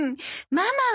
ママは。